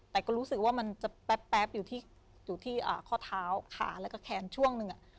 แต่ก็รู้สึกว่ามันจะแป๊บอยู่ที่ข้อเท้าขาแล้วก็แขนช่วงหนึ่ง